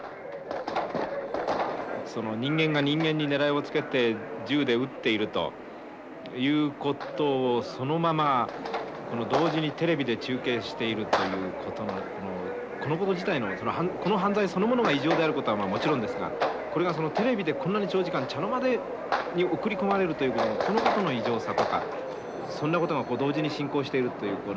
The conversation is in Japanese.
「その人間が人間に狙いをつけて銃で撃っているということをそのまま同時にテレビで中継しているということのこのこと自体のこの犯罪そのものが異常であることはもちろんですがこれがテレビでこんなに長時間茶の間に送り込まれるというそのことの異常さとかそんなことが同時に進行しているという」。